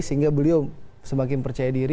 sehingga beliau semakin percaya diri